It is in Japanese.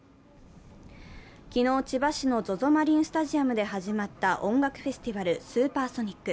昨日、千葉市のＺＯＺＯマリンスタジアムで始まった音楽フェスティバルＳＵＰＥＲＳＯＮＩＣ。